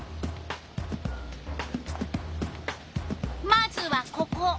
まずはここ！